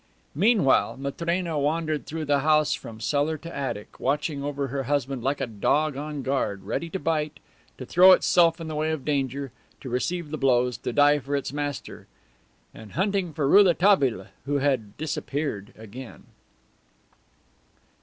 Meanwhile Matrena wandered through the house from cellar to attic, watching over her husband like a dog on guard, ready to bite, to throw itself in the way of danger, to receive the blows, to die for its master and hunting for Rouletabille, who had disappeared again.